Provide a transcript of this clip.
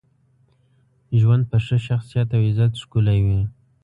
ژوند په ښه شخصیت او عزت ښکلی وي.